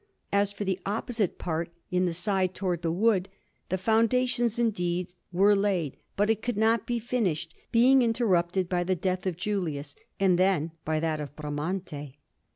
As for the opposite part, on the side towards the wood, the foundations, indeed, were laid, but it could not be finished, being interrupted by the death of Julius, and then by that of Bramante.